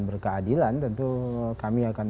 berkeadilan tentu kami akan